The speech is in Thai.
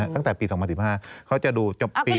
ตั้งแต่ปี๒๐๑๕เขาจะดูจบปี๒๕